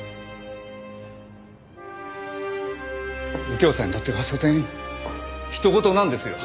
右京さんにとってはしょせん他人事なんですよ。